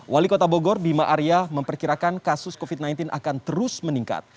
wali kota bogor bima arya memperkirakan kasus covid sembilan belas akan terus meningkat